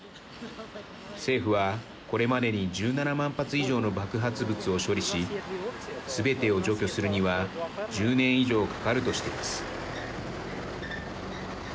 政府は、これまでに１７万発以上の爆発物を処理しすべてを除去するには１０年以上かかるとしています。